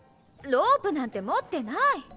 ロープなんて持ってない。